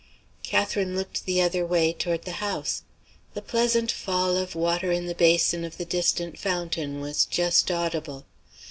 Catherine looked the other way, toward the house. The pleasant fall of water in the basin of the distant fountain was just audible.